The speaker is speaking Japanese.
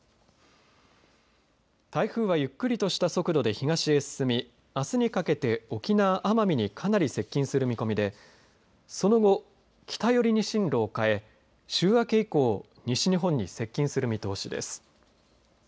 台風はゆっくりとした速度で東へ進みあすにかけて沖縄・奄美にかなり接近する見込みでその後、北寄りに針路を変え週明け以降西日本に接近する見通しです。